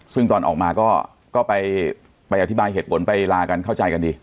ซึ่งตอนออกมาก็ไปอธิบายเหตุผลไปลากันเข้าใจกันดี